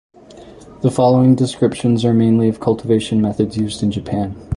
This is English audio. The following descriptions are mainly of cultivation methods used in Japan.